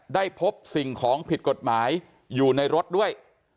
พบสิ่งของผิดกฎหมายอยู่ในรถด้วย